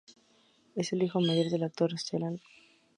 Es el hijo mayor del actor Stellan Skarsgård.